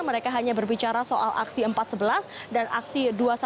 mereka hanya berbicara soal aksi empat sebelas dan aksi dua ratus dua belas